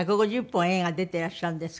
１５０本も出てらっしゃる。